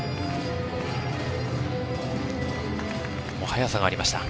速さがありました。